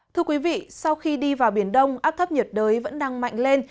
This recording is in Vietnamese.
thưa quý vị sau khi đi vào biển đông áp thấp nhiệt đới vẫn đang mạnh lên